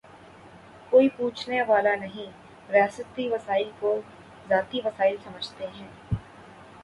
کوئی پوچھنے والا نہیں، ریاستی وسائل کوذاتی وسائل سمجھتے ہیں۔